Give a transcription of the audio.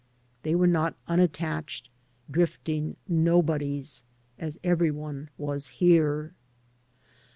They were not unattached, drifting nobodies, as every one was here.